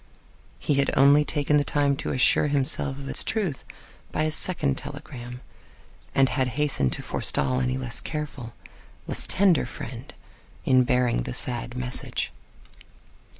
He had only taken the time to assure himself of its truth by a second telegram, and had hastened to forestall any less careful, less tender friend in bearing the sad message.